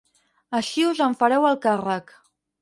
Així us en fareu el càrrec.